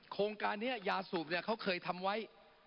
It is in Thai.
โครงการเนี่ยยาสูบเนี่ยเขาเคยทำไว้